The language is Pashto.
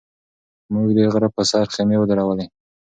موږ د غره په سر خیمې ودرولې.